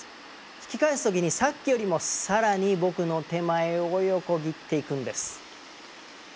引き返す時にさっきよりも更に僕の手前を横切っていくんです。